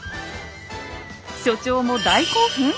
所長も大興奮？